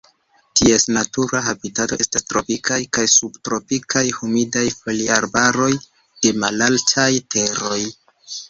Ties natura habitato estas Tropikaj kaj subtropikaj humidaj foliarbaroj de malaltaj teroj.